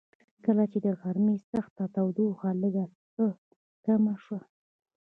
کله چې د غرمې سخته تودوخه لږ څه کمه شوه.